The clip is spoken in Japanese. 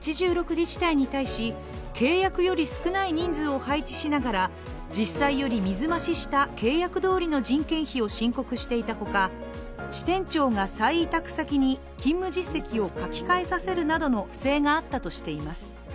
自治体に対し契約より少ない人数を配置しながら実際より水増しした契約どおりの人件費を申告していたほか、支店長が再委託先に、勤務実績を書き換えさせるなどの不正があったとしています。